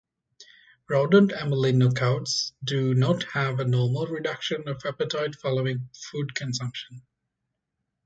Rodent amylin knockouts do not have a normal reduction of appetite following food consumption.